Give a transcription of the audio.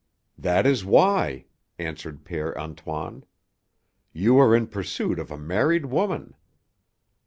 "That is why," answered Père Antoine. "You are in pursuit of a married woman."